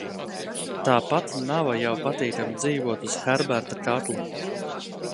Tāpat nava jau patīkami dzīvot uz Herberta kakla.